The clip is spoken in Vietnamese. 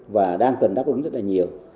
và đang cần đáp ứng rất là nhiều